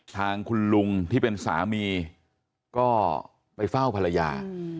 ทางคุณลุงที่เป็นสามีก็ไปเฝ้าภรรยา